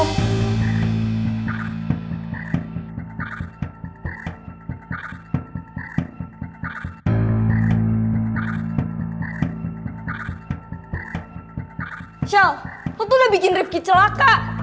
michelle lo tuh udah bikin rifki celaka